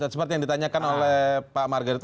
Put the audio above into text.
seperti yang ditanyakan oleh pak margaret